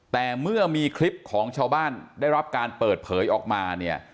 แต่เมื่อมีคลิปของชาวบ้านได้รับการเปิดเผยออกมาเนี่ย